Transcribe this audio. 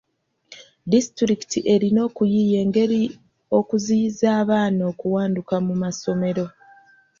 Disitulikiti erina okuyiiya engeri okuziyiza abaana okuwanduka mu masomero.